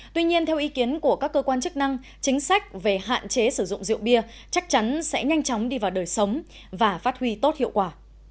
tuy nhiên theo ý kiến của các cơ quan chức năng chính sách về hạn chế sử dụng rượu bia chắc chắn sẽ nhanh chóng đi vào đời sống và phát huy tốt hiệu quả